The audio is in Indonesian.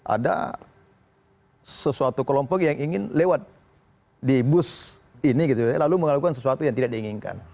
ada sesuatu kelompok yang ingin lewat di bus ini gitu ya lalu melakukan sesuatu yang tidak diinginkan